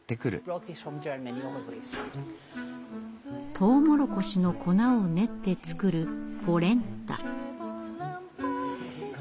トウモロコシの粉を練って作るポレンタ。